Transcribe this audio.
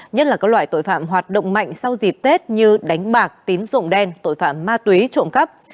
nhất là các loại tội phạm hoạt động mạnh sau dịp tết như đánh bạc tín dụng đen tội phạm ma túy trộm cắp